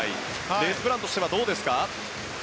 レースプランとしてはどうですか？